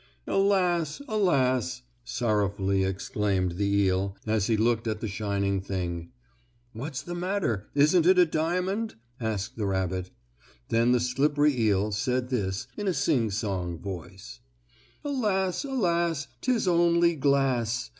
"Alas! Alas!" sorrowfully exclaimed the eel, as he looked at the shining thing. "What's the matter; isn't it a diamond?" asked the rabbit. Then the slippery eel said this in a sing song voice: "Alas, alas, 'Tis only glass.